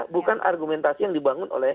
bukan argumentasi yang dibangun